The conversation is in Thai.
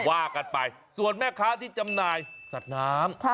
ว่ากันไปส่วนแม่ค้าที่จำหน่ายสัตว์น้ำ